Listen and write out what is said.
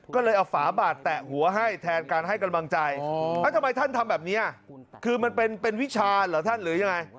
ก็เลยเอาฝาบาดแตะหัวให้แทนการให้กำลังใจทำไมท่านทำแบบนี้คือมันเป็นวิชาเหรอท่านหรือยังไง